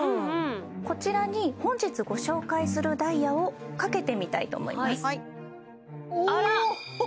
こちらに本日ご紹介するダイヤを掛けてみたいと思いますおお！